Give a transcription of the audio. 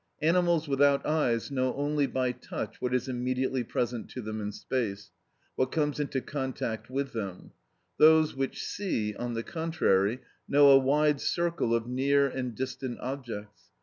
Animals without eyes know only by touch what is immediately present to them in space, what comes into contact with them; those which see, on the contrary, know a wide circle of near and distant objects.